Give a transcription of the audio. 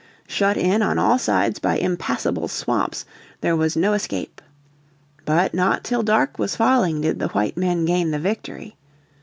Shut in on all sides by impassable swamps there was no escape. But not till dark was falling did the white men gain the victory.